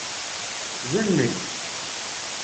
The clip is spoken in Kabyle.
Zenneg.